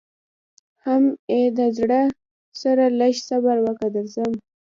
حم ای د زړه سره لږ صبر وکه درځم.